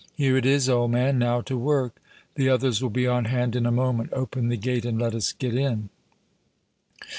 "Here it is, old man. Now to work. The others will be on hand in a moment. Open the gate and let us get in."